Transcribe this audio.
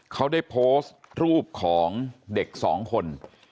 เขาได้โพสต์รูปของเด็กสองคน